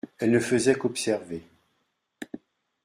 Elle ne faisait qu’observer.